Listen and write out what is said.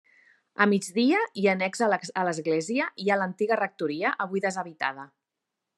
A migdia, i annex a l'església, hi ha l'antiga rectoria, avui deshabitada.